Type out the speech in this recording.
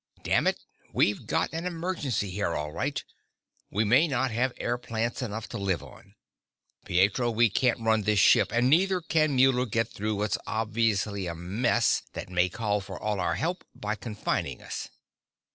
Damn it, we've got an emergency here all right we may not have air plants enough to live on. Pietro, we can't run the ship and neither can Muller get through what's obviously a mess that may call for all our help by confining us.